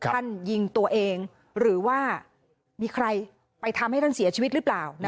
ท่านยิงตัวเองหรือว่ามีใครไปทำให้ท่านเสียชีวิตหรือเปล่า